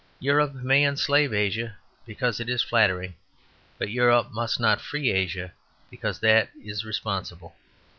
Europe may enslave Asia, because it is flattering: but Europe must not free Asia, because that is responsible.